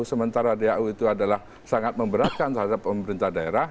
sementara dau itu adalah sangat memberatkan terhadap pemerintah daerah